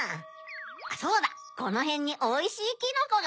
あっそうだこのへんにおいしいキノコが。